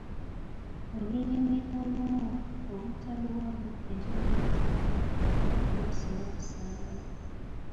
Olulimi olumu obutaluwa budde kiruleetera obutakula oluusi n'okusaanawo.